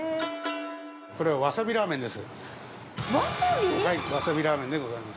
これはわさびラーメンです。